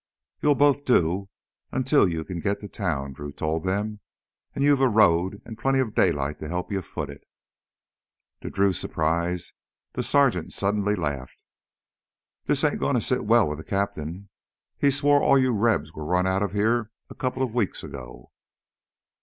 "You'll both do until you can get to town," Drew told them. "And you've a road and plenty of daylight to help you foot it...." To Drew's surprise, the sergeant suddenly laughed. "This ain't going to sit well with the captain. He swore all you Rebs were run out of here a couple of weeks ago."